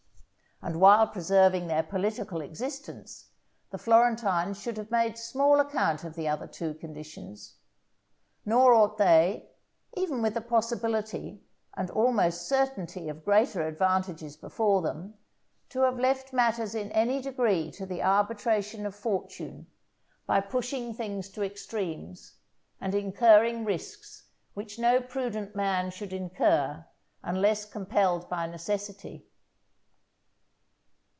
And while preserving their political existence, the Florentines should have made small account of the other two conditions; nor ought they, even with the possibility and almost certainty of greater advantages before them, to have left matters in any degree to the arbitration of Fortune, by pushing things to extremes, and incurring risks which no prudent man should incur, unless compelled by necessity.